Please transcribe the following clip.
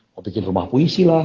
mau bikin rumah puisi lah